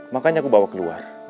makanya aku bawa keluar